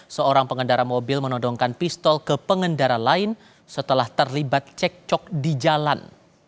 seorang pengendara mobil menodongkan pistol ke pengendara lain setelah terlibat cek cok di jalan